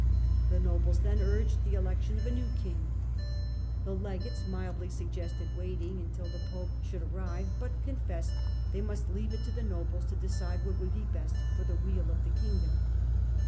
The nobles then urged the election of a new king. The legates mildly sug gested waiting until the pope should arrive, but con fessed they must leave it to the nobles to decide what would be best for the weal of the kingdom.